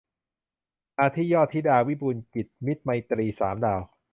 อาทิ ยอดธิดา วิบูลย์กิจ มิตรไมตรี สามดาว